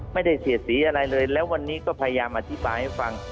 เสียดสีอะไรเลยแล้ววันนี้ก็พยายามอธิบายให้ฟัง